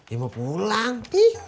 ya mau pulang